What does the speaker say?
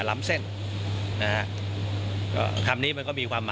อนถึงในกรรม